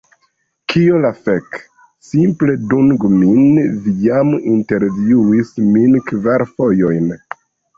Kio la fek?! Simple dungu min, vi jam intervjuis min kvar fojojn!